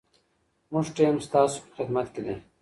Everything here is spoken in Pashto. زموږ ټیم ستاسو په خدمت کي دی.